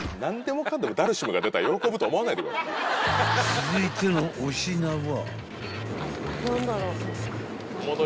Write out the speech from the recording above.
［続いてのお品は］